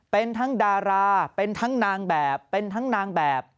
เป็นทั้งดาราเป็นทั้งนางแบบเป็นทั้งนางแบบ